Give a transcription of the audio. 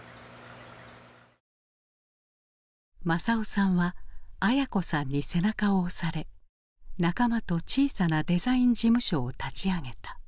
政男さんは文子さんに背中を押され仲間と小さなデザイン事務所を立ち上げた。